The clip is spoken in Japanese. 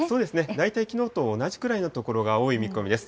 大体きのうと同じくらいの所が多い見込みです。